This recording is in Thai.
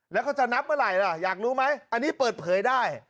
แล้วเขาจะนับเมื่อไหร่ล่ะอยากรู้ไหมอันนี้เปิดเผยได้